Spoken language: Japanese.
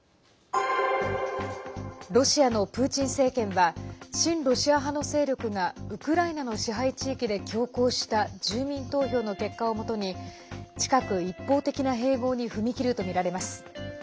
ロシアのプーチン政権は親ロシア派の勢力がウクライナの支配地域で強行した住民投票の結果をもとに近く一方的な併合に踏み切るとみられます。